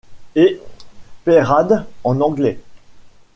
et Peyrade en Anglais.